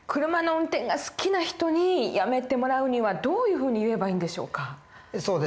車の運転が好きな人にやめてもらうにはどういうふうに言えばいいんでしょうか？